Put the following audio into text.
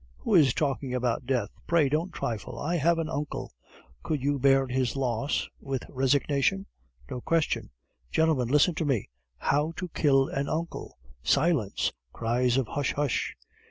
"Who is talking about death? Pray don't trifle, I have an uncle." "Could you bear his loss with resignation?" "No question." "Gentlemen, listen to me! How to kill an uncle. Silence! (Cries of "Hush! hush!")